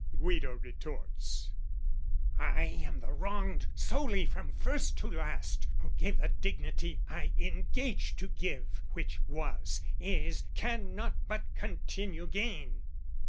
Guido retorts "I am the wronged, solely, from first to last, "Who gave the dignity I engaged to give, "Which was, is, cannot but continue gain.